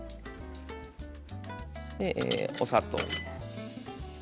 そしてお砂糖。